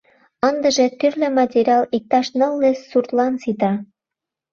Ындыже тӱрлӧ материал иктаж нылле суртлан сита!